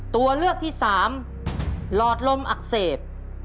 ตัวเลือกที่๓หลอดลมอักเสบ